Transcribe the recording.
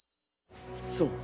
そう。